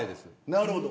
なるほど。